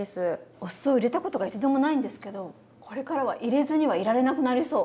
お酢を入れたことが一度もないんですけどこれからは入れずにはいられなくなりそう。